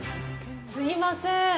すいませーん。